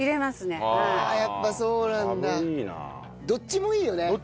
どっちもいいよね。